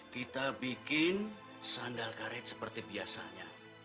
kita bikin sandal karet seperti biasanya